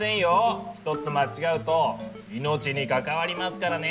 ひとつ間違うと命に関わりますからね！